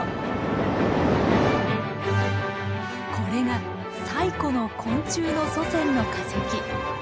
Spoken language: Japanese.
これが最古の昆虫の祖先の化石。